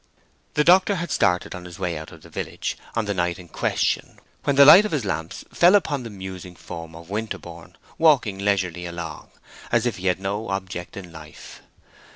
The doctor had started on his way out of the village on the night in question when the light of his lamps fell upon the musing form of Winterborne, walking leisurely along, as if he had no object in life.